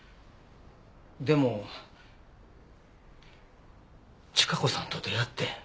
でも千加子さんと出会って。